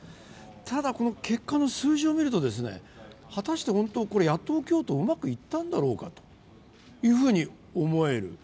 ただ結果の数字を見ると、果たして本当に野党共闘、うまくいったんだろうかと思える。